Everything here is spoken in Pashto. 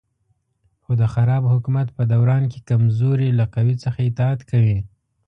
خو د خراب حکومت په دوران کې کمزوري له قوي څخه اطاعت کوي.